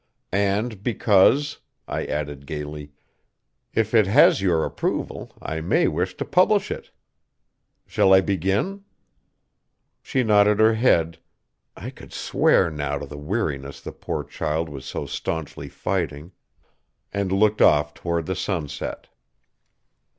And because," I added gayly, "if it has your approval I may wish to publish it. Shall I begin?" She nodded her head I could swear now to the weariness the poor child was so staunchly fighting and looked off toward the sunset.